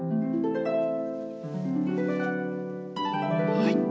はい。